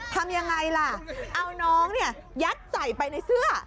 ทำยังไงล่ะเอาน้องเนี่ยยัดใส่ไปในเสื้อ